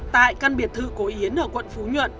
tại căn biệt thự cổ yến ở quận phú nhuận